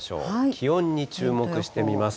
気温に注目してみます。